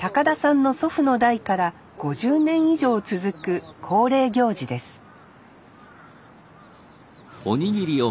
田さんの祖父の代から５０年以上続く恒例行事です